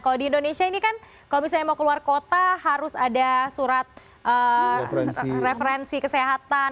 kalau di indonesia ini kan kalau misalnya mau keluar kota harus ada surat referensi kesehatan